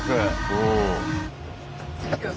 うん。